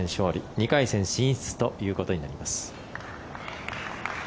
２回戦進出ということになります。